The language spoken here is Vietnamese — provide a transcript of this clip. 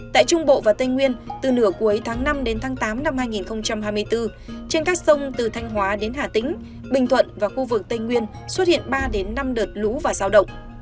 tại trung bộ và tây nguyên từ nửa cuối tháng năm đến tháng tám năm hai nghìn hai mươi bốn trên các sông từ thanh hóa đến hà tĩnh bình thuận và khu vực tây nguyên xuất hiện ba năm đợt lũ và giao động